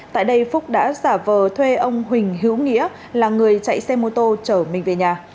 tại đây phúc đã giả vờ thuê ông huỳnh hữu nghĩa là người chạy xe mô tô chở mình về nhà